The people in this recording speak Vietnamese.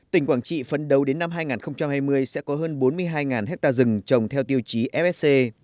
tỉnh quảng trị phấn đấu đến năm hai nghìn hai mươi sẽ có hơn bốn mươi hai hectare rừng trồng theo tiêu chí fsc